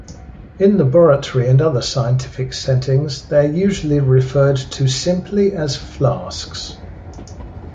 In laboratory and other scientific settings, they are usually referred to simply as flasks.